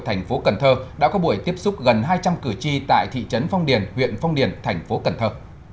tp cần thơ đã có buổi tiếp xúc gần hai trăm linh cử tri tại thị trấn phong điền huyện phong điền tp cần thơ